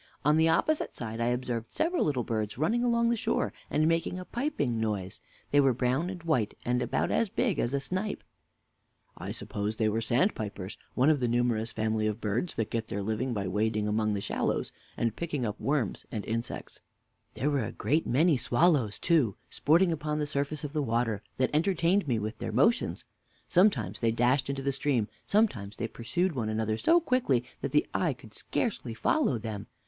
On the opposite side I observed several little birds running along the shore, and making a piping noise. They were brown and white, and about as big as a snipe. Mr. A. I suppose they were sandpipers, one of the numerous family of birds that get their living by wading among the shallows, and picking up worms and insects. W. There were a great many swallows, too, sporting upon the surface of the water, that entertained me with their motions. Sometimes they dashed into the stream; sometimes they pursued one another so quick, that the eye could scarcely follow them.